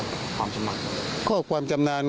เขาเป็นอย่างไรครับความชำนาญ